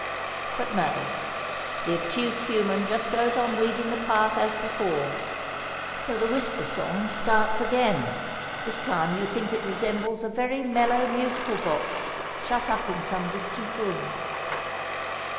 But no, the obtuse human just goes on weeding the path as before; so the Whisper Song starts again. This time you think it resembles a very mellow musical box shut up in some distant room.